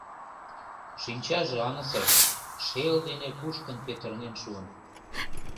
Шинчаже аҥысыр, шел дене кушкын петырнен шуын.